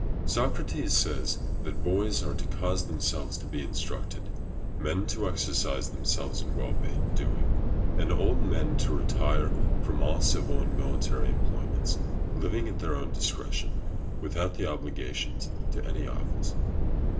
Quintilian, x. 7.] Socrates says that boys are to cause themselves to be instructed, men to exercise themselves in well doing, and old men to retire from all civil and military employments, living at their own discretion, without the obligation to any office.